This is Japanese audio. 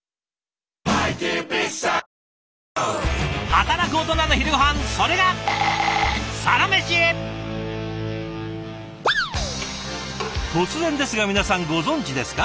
働くオトナの昼ごはんそれが突然ですが皆さんご存じですか？